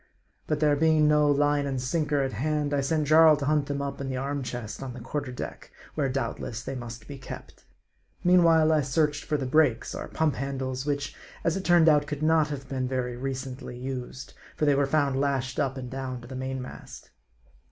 But there being no line and sinker at hand, I sent Jarl to hunt them up in the arm chest on the quarter deck, where doubtless they must be kept. Mean while I searched for the " breaks," or pump handles, which, as it turned out, could not have been very recently used ; for they were found lashed up and down, to the main mast.